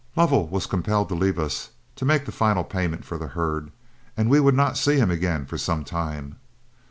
Lovell was compelled to leave us, to make the final payment for the herd, and we would not see him again for some time.